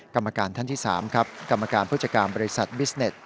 กรรมการท่านที่๓ครับกรรมการผู้จัดการบริษัทบิสเน็ต